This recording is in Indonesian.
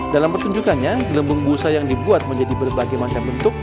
dalam pertunjukannya gelembung busa yang dibuat menjadi berbagai macam bentuk